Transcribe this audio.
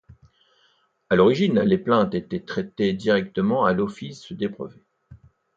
À l'origine, les plaintes étaient traitées directement à l'Office des brevets.